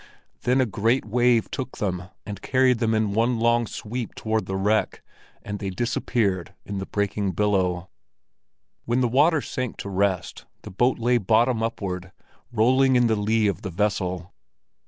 Then a great wave took them and carried them in one long sweep toward the wreck, and they disappeared in the breaking billow. When the water sank to rest, the boat lay bottom upward, rolling in the lee of the vessel.